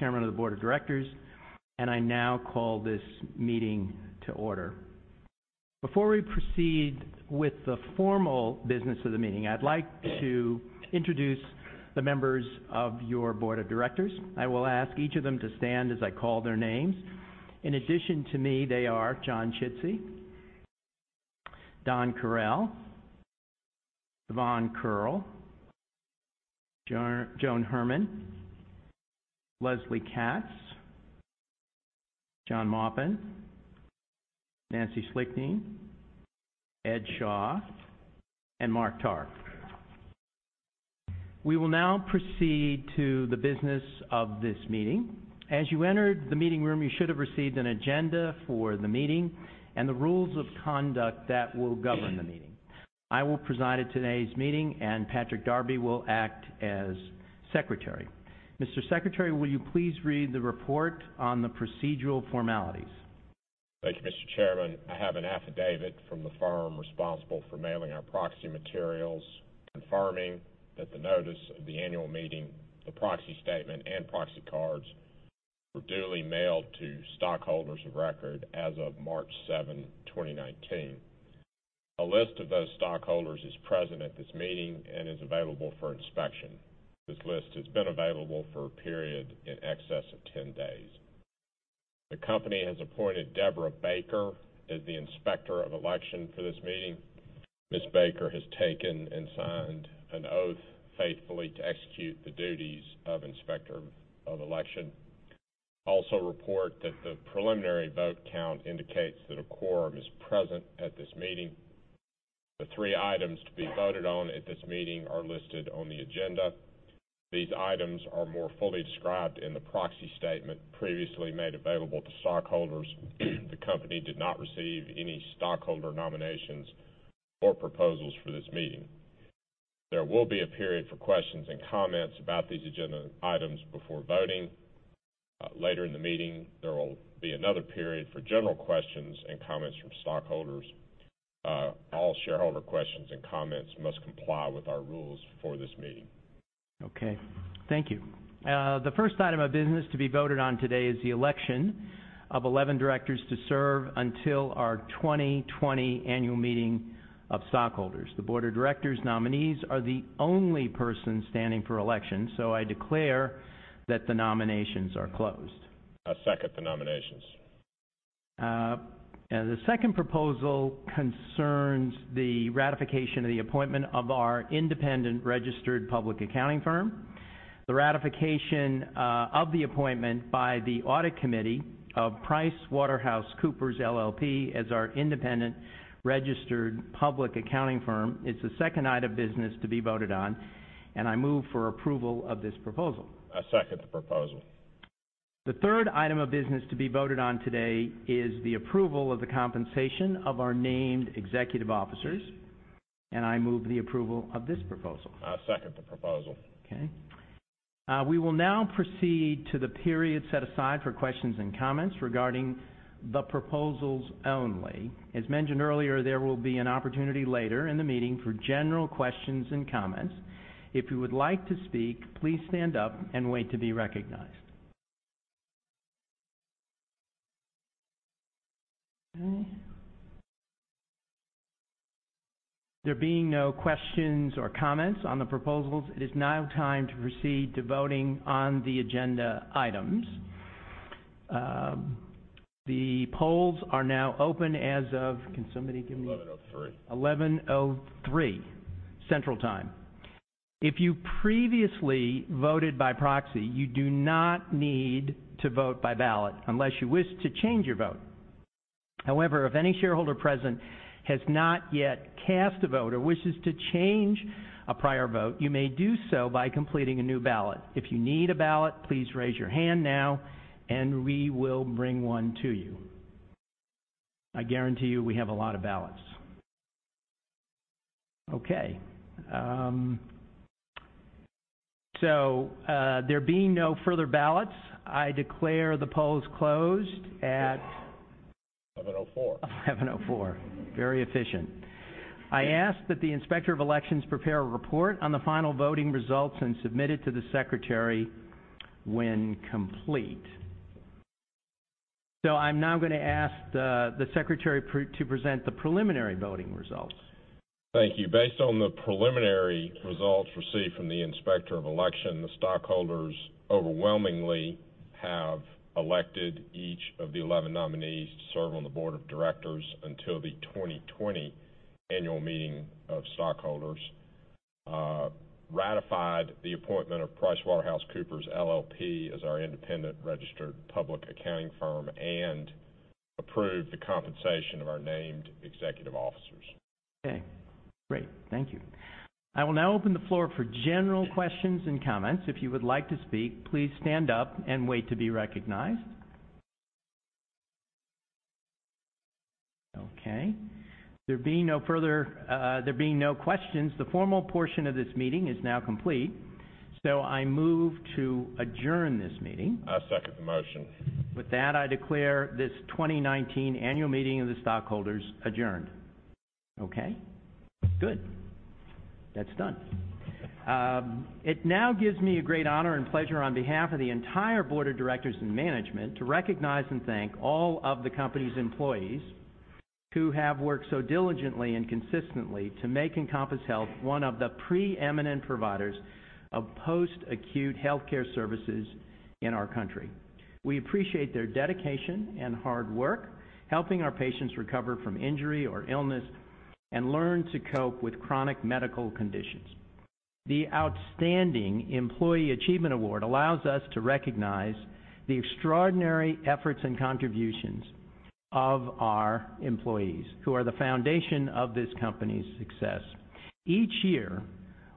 Chairman of the Board of Directors, I now call this meeting to order. Before we proceed with the formal business of the meeting, I'd like to introduce the members of your Board of Directors. I will ask each of them to stand as I call their names. In addition to me, they are John Chidsey, Don Correll, Yvonne Curl, Joan Herman, Leslye Katz, John Maupin, Nancy Schlichting, Ed Shaw, and Mark Tarr. We will now proceed to the business of this meeting. As you entered the meeting room, you should have received an agenda for the meeting and the rules of conduct that will govern the meeting. I will preside at today's meeting, and Patrick Darby will act as Secretary. Mr. Secretary, will you please read the report on the procedural formalities? Thank you, Mr. Chairman. I have an affidavit from the firm responsible for mailing our proxy materials, confirming that the notice of the annual meeting, the proxy statement, and proxy cards were duly mailed to stockholders of record as of March 7th, 2019. A list of those stockholders is present at this meeting and is available for inspection. This list has been available for a period in excess of 10 days. The company has appointed Deborah Baker as the Inspector of Election for this meeting. Ms. Baker has taken and signed an oath faithfully to execute the duties of Inspector of Election. I also report that the preliminary vote count indicates that a quorum is present at this meeting. The three items to be voted on at this meeting are listed on the agenda. These items are more fully described in the proxy statement previously made available to stockholders. The company did not receive any stockholder nominations or proposals for this meeting. There will be a period for questions and comments about these agenda items before voting. Later in the meeting, there will be another period for general questions and comments from stockholders. All shareholder questions and comments must comply with our rules for this meeting. Okay. Thank you. The first item of business to be voted on today is the election of 11 directors to serve until our 2020 annual meeting of stockholders. The Board of Directors nominees are the only person standing for election, I declare that the nominations are closed. I second the nominations. The second proposal concerns the ratification of the appointment of our independent registered public accounting firm. The ratification of the appointment by the audit committee of PricewaterhouseCoopers LLP as our independent registered public accounting firm is the second item of business to be voted on. I move for approval of this proposal. I second the proposal. The third item of business to be voted on today is the approval of the compensation of our named executive officers. I move the approval of this proposal. I second the proposal. Okay. We will now proceed to the period set aside for questions and comments regarding the proposals only. As mentioned earlier, there will be an opportunity later in the meeting for general questions and comments. If you would like to speak, please stand up and wait to be recognized. Okay. There being no questions or comments on the proposals, it is now time to proceed to voting on the agenda items. The polls are now open as of Can somebody give me- 11:03. 11:03 Central Time. If you previously voted by proxy, you do not need to vote by ballot unless you wish to change your vote. However, if any shareholder present has not yet cast a vote or wishes to change a prior vote, you may do so by completing a new ballot. If you need a ballot, please raise your hand now, and we will bring one to you. I guarantee you we have a lot of ballots. Okay. There being no further ballots, I declare the polls closed at- 11:04. 11:04. Very efficient. I ask that the Inspector of Election prepare a report on the final voting results and submit it to the secretary when complete. I'm now going to ask the secretary to present the preliminary voting results. Thank you. Based on the preliminary results received from the Inspector of Election, the stockholders overwhelmingly have elected each of the 11 nominees to serve on the board of directors until the 2020 annual meeting of stockholders, ratified the appointment of PricewaterhouseCoopers LLP as our independent registered public accounting firm, and approved the compensation of our named executive officers. Okay. Great. Thank you. I will now open the floor for general questions and comments. If you would like to speak, please stand up and wait to be recognized. Okay. There being no questions, the formal portion of this meeting is now complete. I move to adjourn this meeting. I second the motion. With that, I declare this 2019 annual meeting of the stockholders adjourned. Okay. Good. That's done. It now gives me a great honor and pleasure on behalf of the entire board of directors and management to recognize and thank all of the company's employees who have worked so diligently and consistently to make Encompass Health one of the preeminent providers of post-acute healthcare services in our country. We appreciate their dedication and hard work helping our patients recover from injury or illness and learn to cope with chronic medical conditions. The Outstanding Employee Achievement Award allows us to recognize the extraordinary efforts and contributions of our employees, who are the foundation of this company's success. Each year,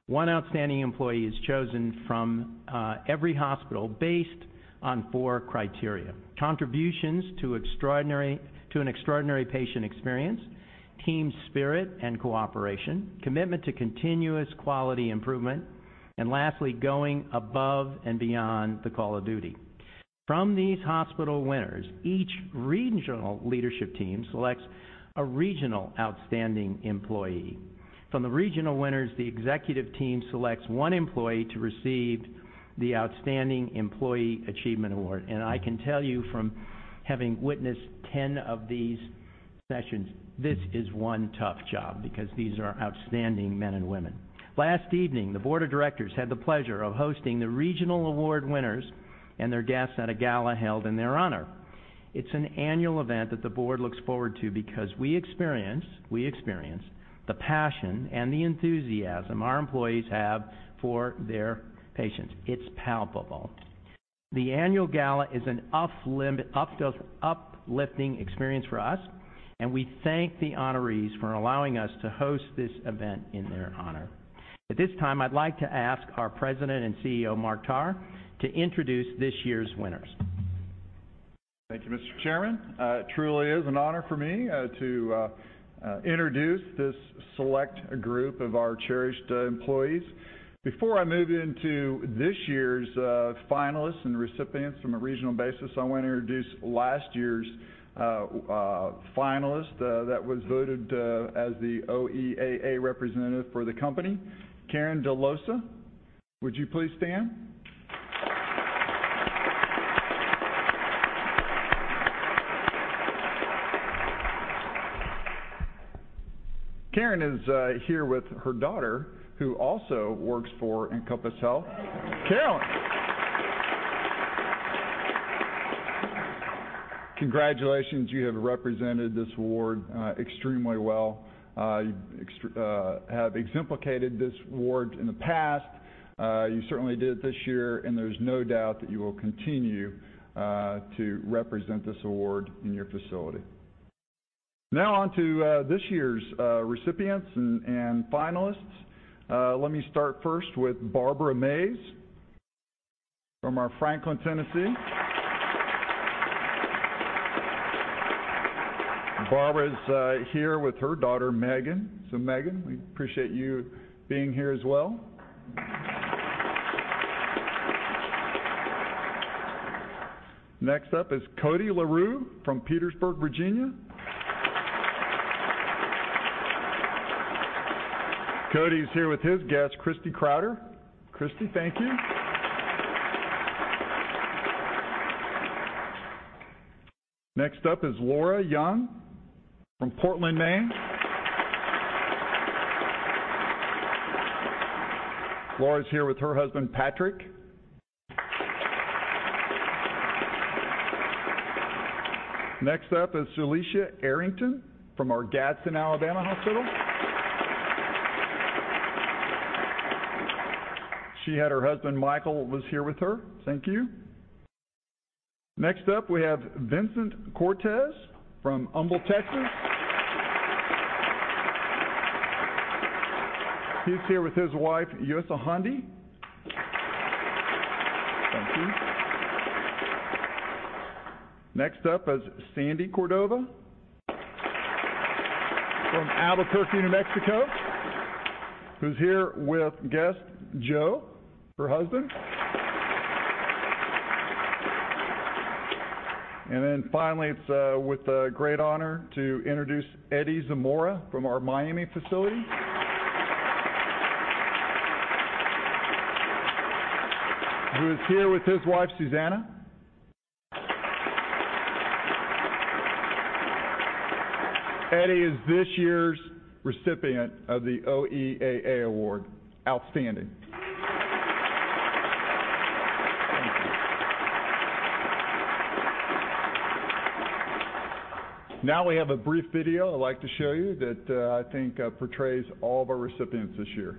one outstanding employee is chosen from every hospital based on four criteria, contributions to an extraordinary patient experience, team spirit and cooperation, commitment to continuous quality improvement, and lastly, going above and beyond the call of duty. From these hospital winners, each regional leadership team selects a regional outstanding employee. From the regional winners, the executive team selects one employee to receive the Outstanding Employee Achievement Award. I can tell you from having witnessed 10 of these sessions, this is one tough job because these are outstanding men and women. Last evening, the board of directors had the pleasure of hosting the regional award winners and their guests at a gala held in their honor. It's an annual event that the board looks forward to because we experience the passion and the enthusiasm our employees have for their patients. It's palpable. The annual gala is an uplifting experience for us, and we thank the honorees for allowing us to host this event in their honor. At this time, I'd like to ask our President and CEO, Mark Tarr, to introduce this year's winners. Thank you, Mr. Chairman. It truly is an honor for me to introduce this select group of our cherished employees. Before I move into this year's finalists and recipients from a regional basis, I want to introduce last year's finalist that was voted as the OEAA representative for the company. Karen Dellosa, would you please stand? Karen is here with her daughter, who also works for Encompass Health. Karen. Congratulations. You have represented this award extremely well. You have exemplificated this award in the past. You certainly did it this year, and there's no doubt that you will continue to represent this award in your facility. On to this year's recipients and finalists. Let me start first with Barbara Mays from our Franklin, Tennessee. Barbara's here with her daughter, Megan. Megan, we appreciate you being here as well. Next up is Cody LaRue from Petersburg, Virginia. Cody's here with his guest, Christy Crowder. Christy, thank you. Next up is Laura Young from Portland, Maine. Laura's here with her husband, Patrick. Next up is Celicia Arrington from our Gadsden, Alabama hospital. She had her husband, Michael, was here with her. Thank you. Next up, we have Vincent Cortez from Humble, Texas. He's here with his wife, Yussa Handy. Thank you. Next up is Sandy Cordova. From Albuquerque, New Mexico, who's here with guest Joe, her husband. Finally, it's with great honor to introduce Eddie Zamora from our Miami facility. Who is here with his wife, Susanna. Eddie is this year's recipient of the OEAA Award. Outstanding. Thank you. We have a brief video I'd like to show you that I think portrays all of our recipients this year.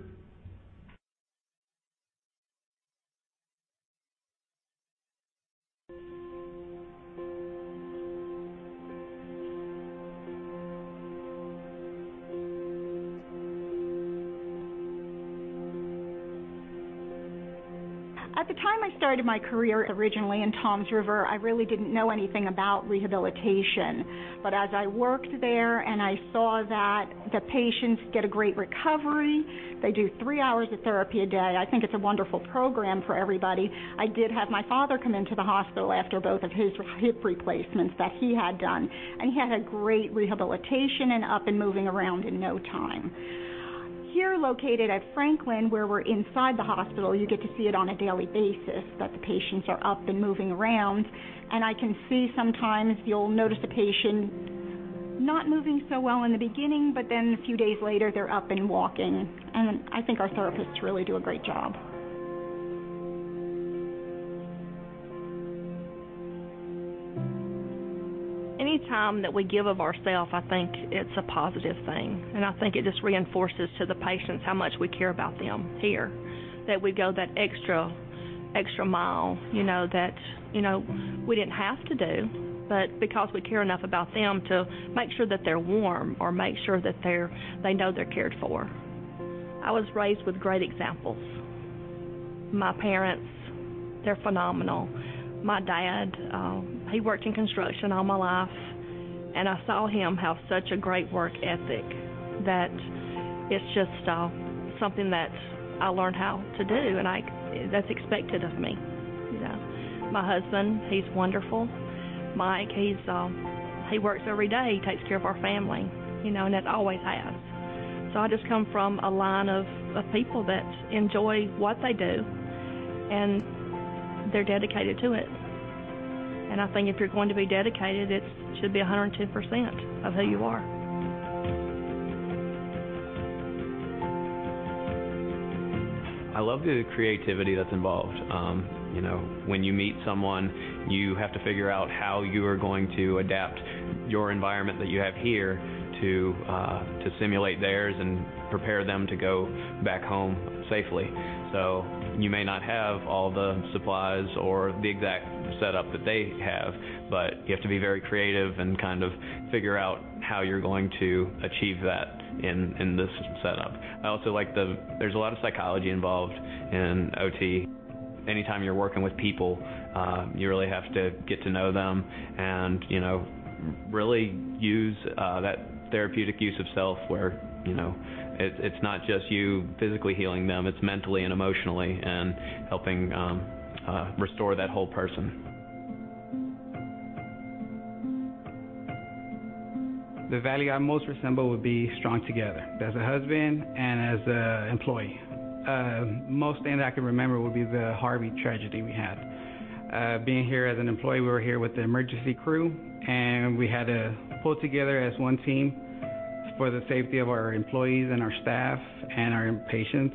At the time I started my career originally in Toms River, I really didn't know anything about rehabilitation, but as I worked there and I saw that the patients get a great recovery, they do three hours of therapy a day. I think it's a wonderful program for everybody. I did have my father come into the hospital after both of his hip replacements that he had done, and he had a great rehabilitation and up and moving around in no time. Here located at Franklin, where we're inside the hospital, you get to see it on a daily basis that the patients are up and moving around. I can see sometimes you'll notice a patient not moving so well in the beginning, but then a few days later they're up and walking. I think our therapists really do a great job. Any time that we give of ourself, I think it's a positive thing. I think it just reinforces to the patients how much we care about them here. That we go that extra mile, that we didn't have to do, but because we care enough about them to make sure that they're warm or make sure that they know they're cared for. I was raised with great examples. My parents, they're phenomenal. My dad, he worked in construction all my life, and I saw him have such a great work ethic that it's just something that I learned how to do, and that's expected of me. My husband, he's wonderful. Mike, he works every day. He takes care of our family, and always has. I just come from a line of people that enjoy what they do, and they're dedicated to it. I think if you're going to be dedicated, it should be 110% of who you are. I love the creativity that's involved. When you meet someone, you have to figure out how you are going to adapt your environment that you have here to simulate theirs and prepare them to go back home safely. You may not have all the supplies or the exact setup that they have, but you have to be very creative and kind of figure out how you're going to achieve that in this setup. I also like that there's a lot of psychology involved in OT. Any time you're working with people, you really have to get to know them and really use that therapeutic use of self where it's not just you physically healing them, it's mentally and emotionally and helping restore that whole person. The value I most resemble would be strong together, as a husband and as a employee. Most thing that I can remember would be the Harvey tragedy we had. Being here as an employee, we were here with the emergency crew, and we had to pull together as one team for the safety of our employees and our staff and our patients.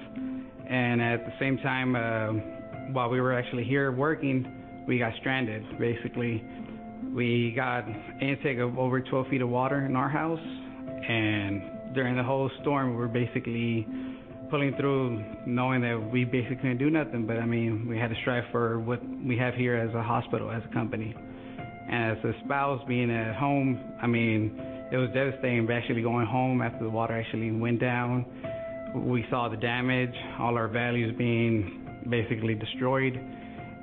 At the same time, while we were actually here working, we got stranded. Basically, we got intake of over 12 feet of water in our house. During the whole storm, we were basically pulling through knowing that we basically couldn't do nothing, but we had to strive for what we have here as a hospital, as a company. As a spouse being at home, it was devastating. Actually going home after the water actually went down, we saw the damage, all our values being basically destroyed,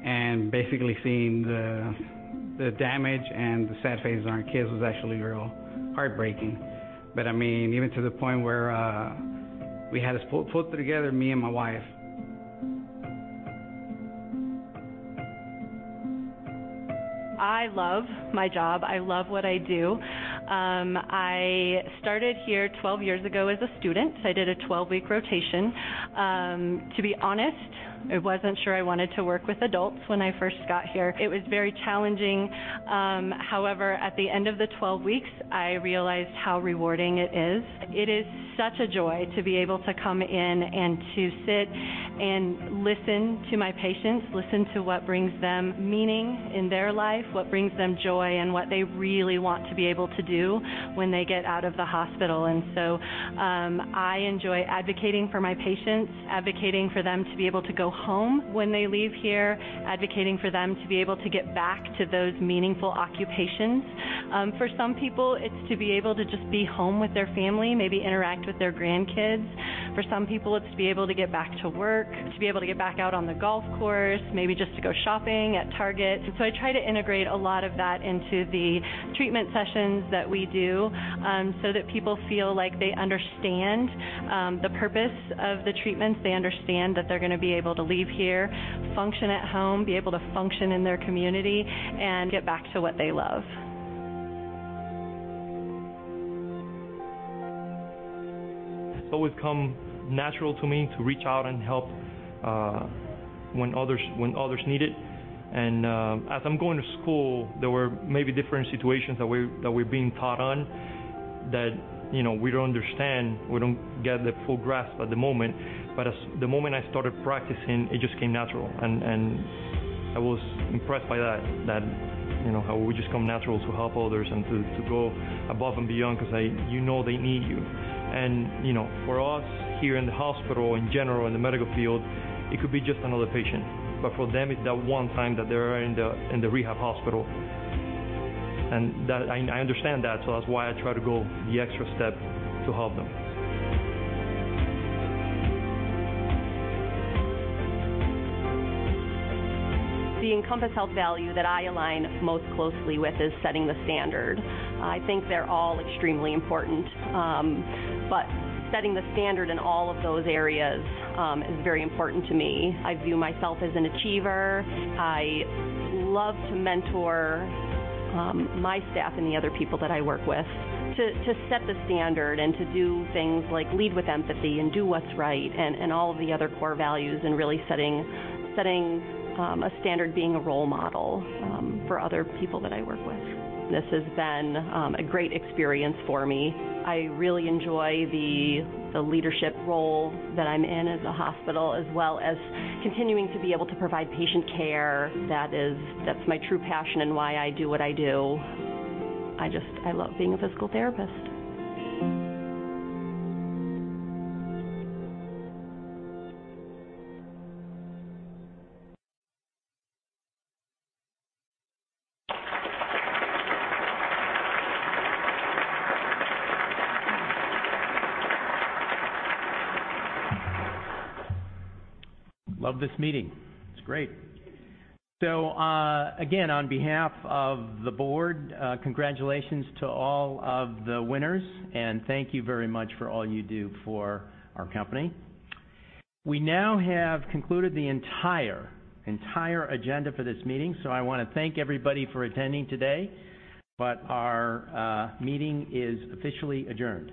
and basically seeing the damage and the sad faces on our kids was actually real heartbreaking. Even to the point where we had to pull it together, me and my wife. I love my job. I love what I do. I started here 12 years ago as a student, so I did a 12-week rotation. To be honest, I wasn't sure I wanted to work with adults when I first got here. It was very challenging. However, at the end of the 12 weeks, I realized how rewarding it is. It is such a joy to be able to come in and to sit and listen to my patients, listen to what brings them meaning in their life, what brings them joy, and what they really want to be able to do when they get out of the hospital. So, I enjoy advocating for my patients, advocating for them to be able to go home when they leave here, advocating for them to be able to get back to those meaningful occupations. For some people, it's to be able to just be home with their family, maybe interact with their grandkids. For some people, it's to be able to get back to work, to be able to get back out on the golf course, maybe just to go shopping at Target. I try to integrate a lot of that into the treatment sessions that we do so that people feel like they understand the purpose of the treatments. They understand that they're going to be able to leave here, function at home, be able to function in their community, and get back to what they love. It's always come natural to me to reach out and help when others need it. As I'm going to school, there were maybe different situations that we're being taught on that we don't understand. We don't get the full grasp at the moment. The moment I started practicing, it just came natural, and I was impressed by that, how it would just come natural to help others and to go above and beyond because you know they need you. For us here in the hospital, in general, in the medical field, it could be just another patient. For them, it's that one time that they're in the rehab hospital. I understand that, so that's why I try to go the extra step to help them. The Encompass Health value that I align most closely with is setting the standard. I think they're all extremely important. Setting the standard in all of those areas is very important to me. I view myself as an achiever. I love to mentor my staff and the other people that I work with to set the standard and to do things like lead with empathy and do what's right and all of the other core values and really setting a standard, being a role model for other people that I work with. This has been a great experience for me. I really enjoy the leadership role that I'm in at the hospital, as well as continuing to be able to provide patient care. That's my true passion and why I do what I do. I love being a physical therapist. Love this meeting. It's great. Again, on behalf of the board, congratulations to all of the winners, and thank you very much for all you do for our company. We now have concluded the entire agenda for this meeting, so I want to thank everybody for attending today, but our meeting is officially adjourned.